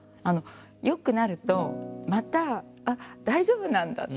良くなるとまたあっ大丈夫なんだ。